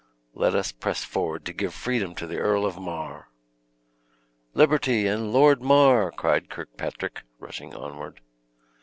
"Let us press forward to give freedom to the Earl of Mar!" "Liberty and Lord Mar!" cried Kirkpatrick, rushing onward.